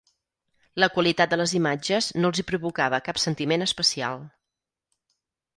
La qualitat de les imatges no els hi provocava cap sentiment especial.